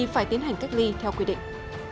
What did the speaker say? phải tiến hành cách ly theo quy định